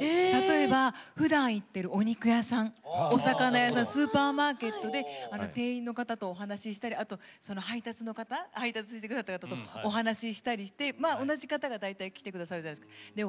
例えば、ふだん行ってるお肉屋さん、お魚屋さんスーパーマーケットで店員の方とお話したりあと、配達してくれる方とお話したりして同じ方が大体来てくださるじゃないですか。